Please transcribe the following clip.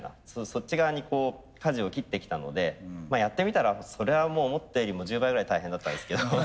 そっち側にこうかじを切ってきたのでやってみたらそれはもう思ったよりも１０倍ぐらい大変だったんですけど。